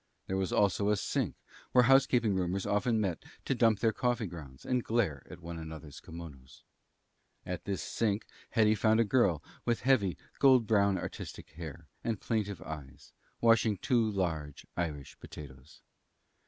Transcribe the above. There was also a sink where housekeeping roomers often met to dump their coffee grounds and glare at one another's kimonos. At this sink Hetty found a girl with heavy, gold brown, artistic hair and plaintive eyes, washing two large "Irish" potatoes.